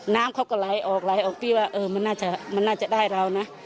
น้ำเขาก็ไหลออกไหลออกพี่ว่าเออมันน่าจะได้เรานะ